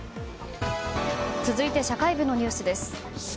続いて、社会部のニュースです。